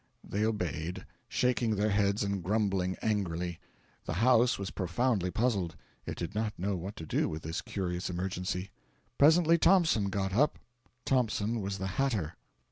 They obeyed, shaking their heads and grumbling angrily. The house was profoundly puzzled; it did not know what to do with this curious emergency. Presently Thompson got up. Thompson was the hatter.